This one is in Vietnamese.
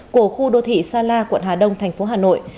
của khu đô thị sa la quận hà đông tp hà nội